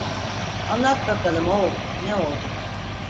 Anlat bakalım oğul ne oldu?